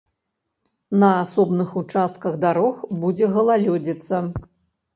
На асобных участках дарог будзе галалёдзіца.